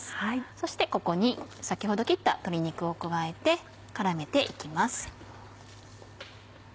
そしてここに先ほど切った鶏肉を加えて絡めて行きます。